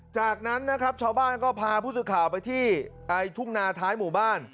จากนั้นนะครับชาวบ้านก็พาผู้สื่อข่าวไปที่ทุ่งนาท้ายหมู่บ้าน